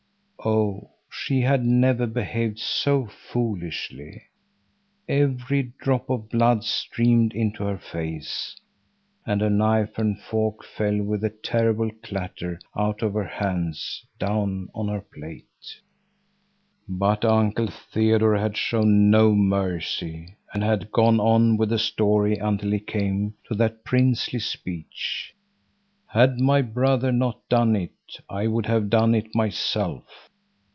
Oh, she had never behaved so foolishly! Every drop of blood streamed into her face, and her knife and fork fell with a terrible clatter out of her hands down on her plate. But Uncle Theodore had shown no mercy and had gone on with the story until he came to that princely speech: "Had my brother not done it, I would have done it myself."